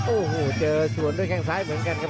โอ้โหเจอสวนด้วยแข้งซ้ายเหมือนกันครับ